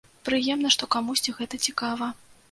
Прыемна, што камусьці гэта цікава.